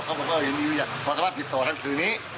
เขาบอกว่ายังมีวิญญาณพอจะมาติดต่อทางสื่อนี้